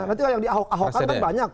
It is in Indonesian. nanti yang diahok ahokan banyak